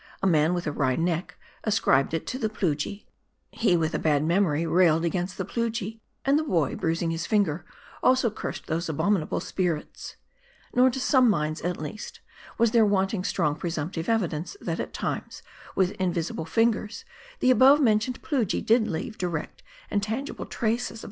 A man with a wry neck M A R D I. 305 ascribed it to the Plujii ; he with a bad memory raikd against the Plujii ; and the boy, bruising his finger, also cursed those abominable spirits. Nor, to some minds, at least, wag there wanting strong presumptive evidence, that at times, with invisible fingers, the above mentioned Plujii did leave direct and tangible traces of .